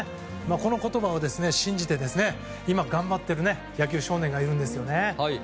この言葉を信じて今、頑張っている野球少年がいるんですよね。